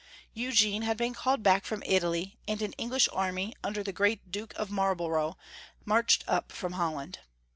Eugene had been called back from Italy, and an English army, under the great Duke of Marlborough, marched up from Holland.